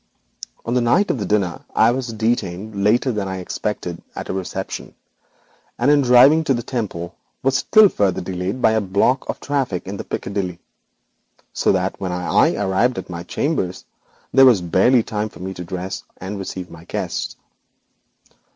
On the night of the dinner I was detained later than I expected at a reception, and in driving to the Temple was still further delayed by a block of traffic in Piccadilly, so that when I arrived at my chambers there was barely time for me to dress and receive my guests.